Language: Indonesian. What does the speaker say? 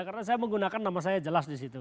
karena saya menggunakan nama saya jelas di situ